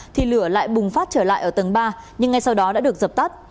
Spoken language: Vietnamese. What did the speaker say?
thì lửa lại bùng phát trở lại ở tầng ba nhưng ngay sau đó đã được dập tắt